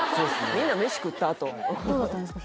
みんな飯食ったあとどうだったんですか？